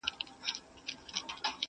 پښتین ته:!